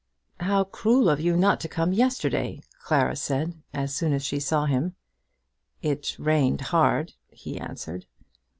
"How cruel of you not to come yesterday!" Clara said, as soon as she saw him. "It rained hard," he answered.